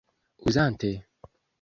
uzante